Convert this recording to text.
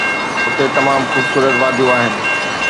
اتي تمام خوبصورت واديون آهن